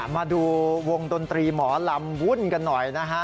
มาดูวงดนตรีหมอลำวุ่นกันหน่อยนะฮะ